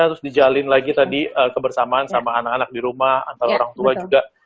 terus dijalin lagi tadi kebersamaan sama anak anak di rumah antara orang tua juga